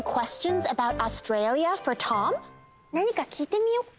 何か聞いてみよっか？